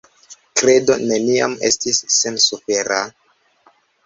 Kredo neniam estis sensufera.